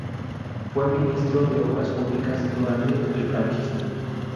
Fue ministro de Obras Públicas durante el franquismo.